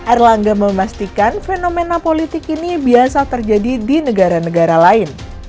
erlangga memastikan fenomena politik ini biasa terjadi di negara negara lain